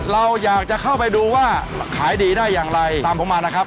เราอยากจะเข้าไปดูว่าขายดีได้อย่างไรตามผมมานะครับ